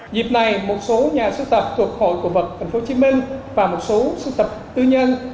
dịp này một số nhà sưu tập thuộc hội cổ vật tp hcm và một số sưu tập tư nhân